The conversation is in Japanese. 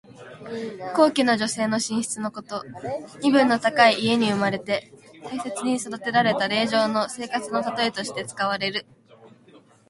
高貴な女性の寝室のこと。身分の高い家に生まれて大切に育てられた令嬢の生活のたとえとして使われる。